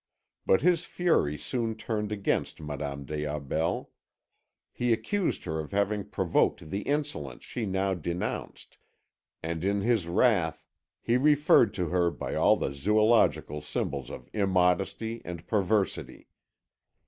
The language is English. But his fury soon turned against Madame des Aubels; he accused her of having provoked the insolence she now denounced, and in his wrath he referred to her by all the zoological symbols of immodesty and perversity.